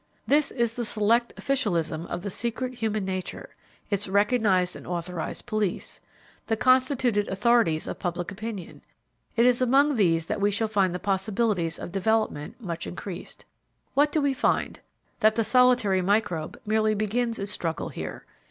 This is the select officialism of the secret human nature, its recognized and authorized police the constituted authorities of Public Opinion. It is among these that we should find the possibilities of development much increased. What do we find? That the solitary microbe merely begins its struggle here.